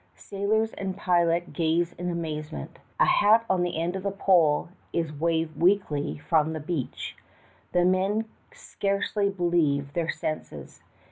Sailors and pilot gaze in amazement. A hat on the end of a pole is waved weakly from the beach. The men can scarcely believe their senses.